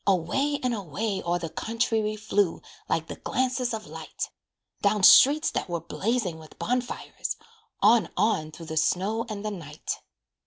Away and away o'er the country We flew like the glances of light, Down streets that were blazing with bonfires, On, on through the snow and the night.